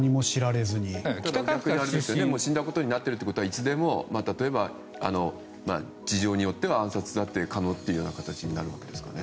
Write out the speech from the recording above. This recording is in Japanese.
死んだことになっていることは例えば、事情によっては暗殺だって可能という形になるわけですよね。